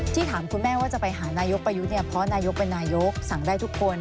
ถามคุณแม่ว่าจะไปหานายกประยุทธ์เนี่ยเพราะนายกเป็นนายกสั่งได้ทุกคน